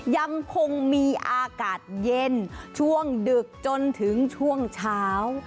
ยังคงมีอากาศเย็นช่วงดึกจนถึงช่วงเช้า